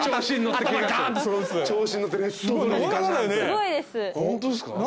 すごいです。